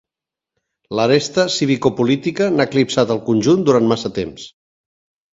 L'aresta civicopolítica n’ha eclipsat el conjunt durant massa temps.